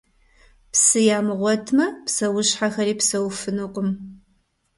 Псы ямыгъуэтмэ, псэущхьэхэри псэуфынукъым.